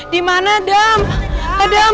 dimana adam adam